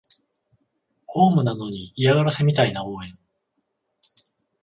ホームなのに嫌がらせみたいな応援